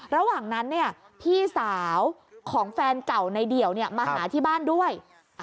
ระหว่างนั้นพี่สาวของแฟนเก่าในเดี่ยวมาหาที่บ้านด้วย